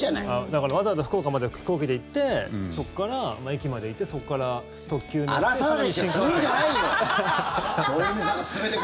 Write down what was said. だからわざわざ福岡まで飛行機で行ってそこから駅まで行ってそこから特急乗って。